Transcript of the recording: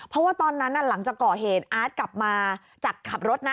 เพราะว่าตอนนั้นหลังจากก่อเหตุอาร์ตกลับมาจากขับรถนะ